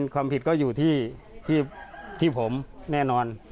ความผิดก็อยู่ที่ผมแน่นอน